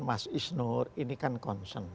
mas isnur ini kan concern